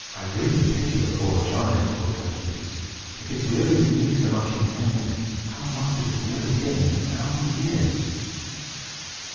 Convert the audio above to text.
"I really pity the poor giant," thought Hercules. "If it wearies me so much in ten minutes, how must it have wearied him in a thousand years!"